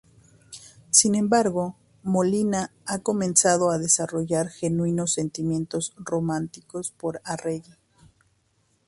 Sin embargo, Molina ha comenzado a desarrollar genuinos sentimientos románticos por Arregui.